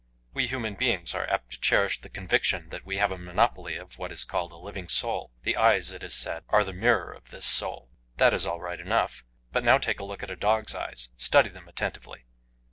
We human beings are apt to cherish the conviction that we have a monopoly of what is called a living soul; the eyes, it is said, are the mirror of this soul. That is all right enough; but now take a look at a dog's eyes, study them attentively.